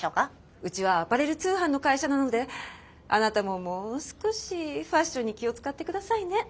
うちはアパレル通販の会社なのであなたももう少しファッションに気を遣って下さいね。